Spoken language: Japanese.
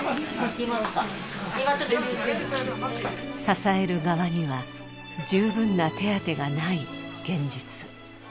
支える側には十分な手当がない現実。